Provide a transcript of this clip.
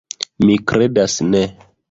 Mi kredas ne.